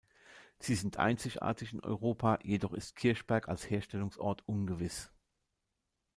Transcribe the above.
Sie sind einzigartig in Europa, jedoch ist Kirchberg als Herstellungsort ungewiss.